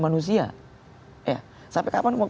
manusia sampai kapan